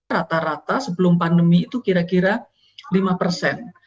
rata rata sebelum pandemi itu kira kira lima persen